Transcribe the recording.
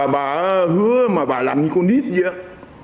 bà hứa mà bà làm như con nít vậy